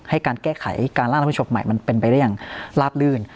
ให้การแก้ไขการร่างรัฐประชมใหม่มันเป็นไปได้อย่างลาบลื่น